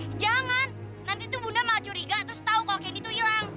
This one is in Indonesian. eh jangan nanti tuh bunda malah curiga terus tau kalau candy tuh hilang